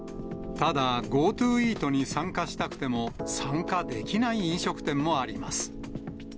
ただＧｏＴｏイートに参加したくても、参加できない飲食店もあります。